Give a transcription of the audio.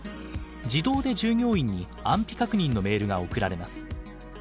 自動で従業員に安否確認のメールが送られます。